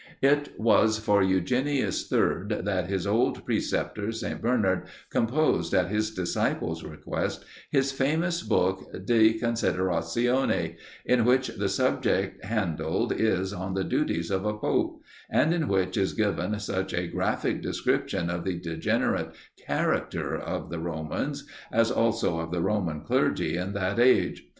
It was for Eugenius III. that his old preceptor, St. Bernard, composed at his disciple's request, his famous book "de Consideratione;" in which the subject handled is, on the duties of a pope; and in which is given such a graphic description of the degenerate character of the Romans, as also of the Roman clergy in that age.